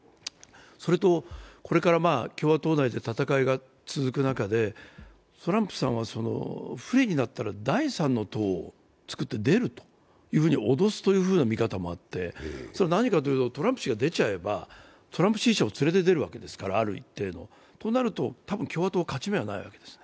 それと、共和党内で戦いが続く中でトランプさんは不利になったら第三の党をつくって出ると脅すというふうな見方もあって、それは何かというと、トランプ氏が出ちゃえば、トランプ支持者を連れて出るわけですから、ある一定の。となると、多分共和党勝ち目がないわけです。